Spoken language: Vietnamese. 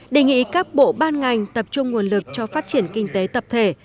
đề nghị các bộ ban ngành tập trung nguồn lực cho phát triển kinh tế tập thể